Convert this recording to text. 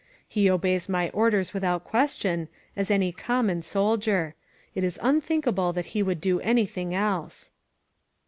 He obeys my orders without question, as any common soldier. It is unthinkable that he would do anything else."